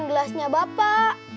main gelasnya bapak